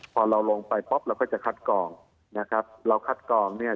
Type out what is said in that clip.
พอเราลงไปปุ๊บเราก็จะคัดกองนะครับเราคัดกองเนี่ย